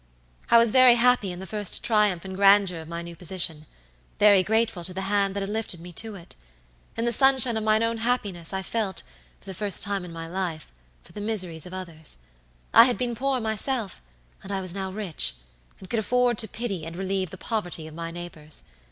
"I was very happy in the first triumph and grandeur of my new position, very grateful to the hand that had lifted me to it. In the sunshine of my own happiness I felt, for the first time in my life, for the miseries of others. I had been poor myself, and I was now rich, and could afford to pity and relieve the poverty of my neighbors.